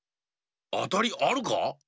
あたりあるか？